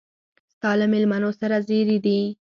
ستا له مېلمنو سره زېري دي.